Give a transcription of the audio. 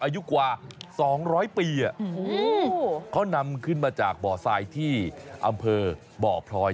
อายุกว่า๒๐๐ปีเขานำขึ้นมาจากบ่อทรายที่อำเภอบ่อพลอย